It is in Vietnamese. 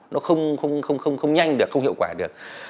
nó không nhanh được không hiệu quả được